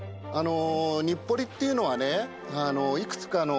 日暮里っていうのはね。